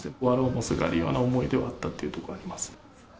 わらにもすがるような思いではあったというところはあります。